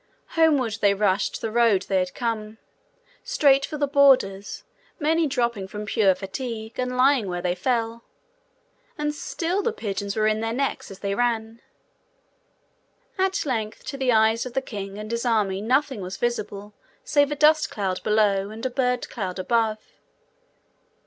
Homeward they rushed the road they had come, straight for the borders, many dropping from pure fatigue, and lying where they fell. And still the pigeons were in their necks as they ran. At length to the eyes of the king and his army nothing was visible save a dust cloud below, and a bird cloud above.